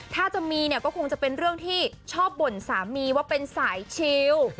ถ้าจะมีเนี่ยก็คงจะเป็นเรื่องที่ชอบบ่นสามีว่าเป็นสายชิล